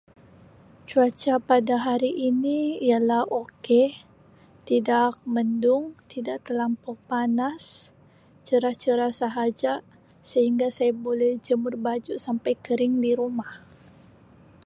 Cuaca pada hari ini ialah ok tidak mendung, tidak telampau panas cerah-cerah sahaja sehingga saya boleh jemur baju sampai kering di rumah.